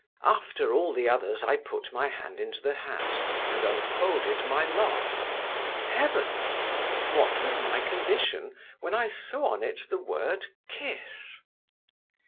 After all the others I put my hand into the hat, and unfolded my lot…. Heavens! what was my condition when I saw on it the word, Kiss!